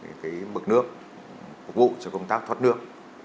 và một số camera để quản lý mực nước phục vụ cho công tác thoát nước